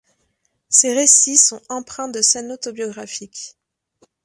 Ses récits sont empreints de scènes autobiographiques.